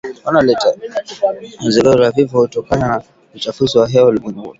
ongezeko la vifo kutokana na uchafuzi wa hewa ulimwenguni